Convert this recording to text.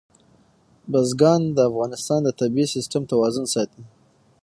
بزګان د افغانستان د طبعي سیسټم توازن ساتي.